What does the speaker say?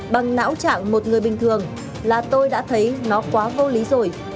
bằng não trạng một người bình thường là tôi đã thấy nó quá vô lý rồi